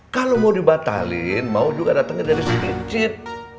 kalo mau dibatalin mau juga datengin dari sekicet